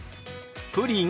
「プリン」。